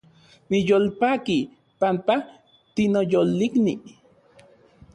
Niyolpaki panpa tinoyolikni